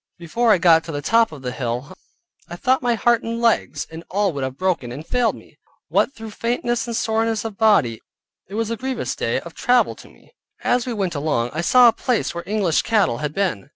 Before I got to the top of the hill, I thought my heart and legs, and all would have broken, and failed me. What, through faintness and soreness of body, it was a grievous day of travel to me. As we went along, I saw a place where English cattle had been.